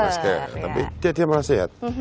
masker tapi dia malah sehat